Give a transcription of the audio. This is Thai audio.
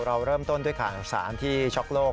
เราเริ่มต้นด้วยข่าวสารที่ช็อกโลก